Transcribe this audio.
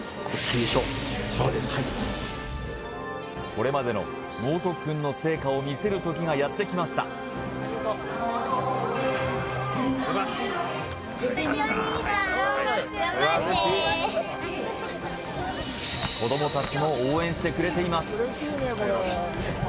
これまでの猛特訓の成果を見せる時がやってきましたしてくれています